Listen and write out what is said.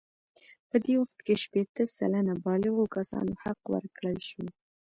په دې وخت کې شپیته سلنه بالغو کسانو حق ورکړل شو.